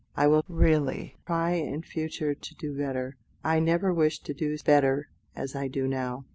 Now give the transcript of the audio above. I will really try in future to do better; I never wished to do better as I do now."